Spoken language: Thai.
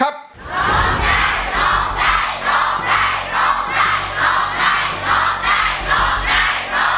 อันนี้ให้คุณยายหรอ